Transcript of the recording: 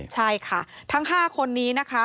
ใช่ค่ะทั้ง๕คนนี้นะคะ